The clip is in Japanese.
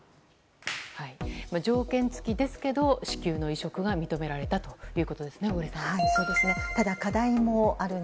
条件付きですけど子宮の移植が認められたということですね小栗さん。